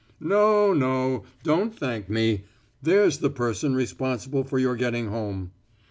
"No, no; don't thank me! There's the person responsible for your getting home."